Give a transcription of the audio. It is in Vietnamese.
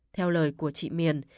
theo lời của chị miền